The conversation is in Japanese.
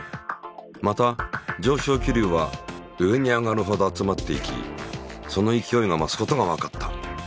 また上昇気流は上に上がるほど集まっていきその勢いが増すことがわかった。